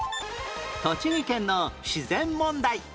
栃木県の自然問題